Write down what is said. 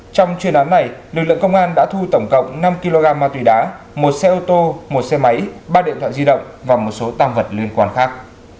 trong chuyên án này lực lượng công an đã thu tổng cộng năm kg ma túy đá một xe ô tô một xe máy ba điện thoại di động và một số tăng vật liên quan khác